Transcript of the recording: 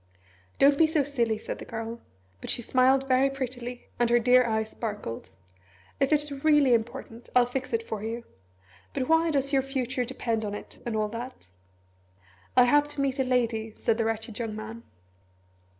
"Don't be so silly," said the Girl; but she smiled very prettily, and her dear eyes sparkled. "If it's really important, I'll fix it for you! But why does your future depend on it, and all that?" "I have to meet a lady," said the wretched young man.